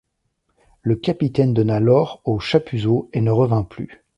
Le capitaine donna l’or aux Chapuzot et ne revint plus.